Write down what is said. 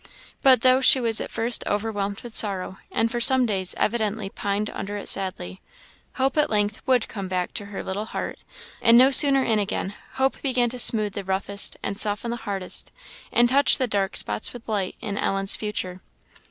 But though she was at first overwhelmed with sorrow, and for some days evidently pined under it sadly, hope at length would come back to her little heart; and no sooner in again, hope began to smooth the roughest, and soften the hardest, and touch the dark spots with light, in Ellen's future.